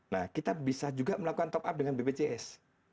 nah kita bisa juga melakukan top up dengan bpjs